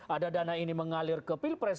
ada dana ini mengalir ke pilpres